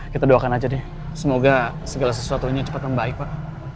kita doakan aja deh semoga segala sesuatunya cepat membaik pak